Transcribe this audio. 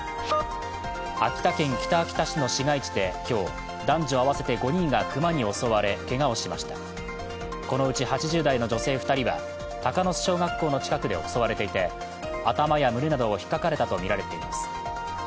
秋田県北秋田市の市街地で今日、男女合わせて５人が熊に襲われこのうち８０代の女性２人は鷹巣小学校の近くで襲われていて頭や胸などをひっかかれたとみられています。